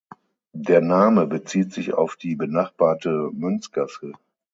Der Name bezieht sich auf die benachbarte Münzgasse.